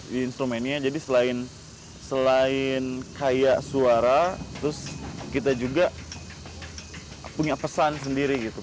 di instrumennya jadi selain kaya suara terus kita juga punya pesan sendiri gitu